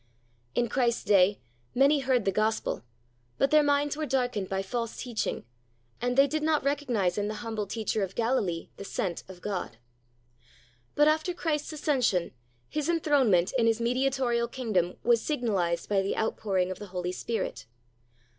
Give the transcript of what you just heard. In Christ's day many heard the gospel, but their minds were darkened by false teaching, and they did not recognize in the humble I20 Christ's Object Lessons Teacher of Galilee the Sent of God. But after Christ's ascension His enthronement in His mediatorial kingdom was signalized by the outpouring of the Holy Spirit.